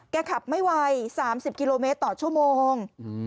ขับไม่ไว๓๐กิโลเมตรต่อชั่วโมง